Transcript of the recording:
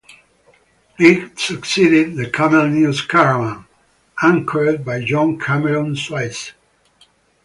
It succeeded the "Camel News Caravan", anchored by John Cameron Swayze.